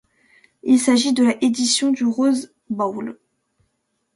Il s'agit de la édition du Rose Bowl.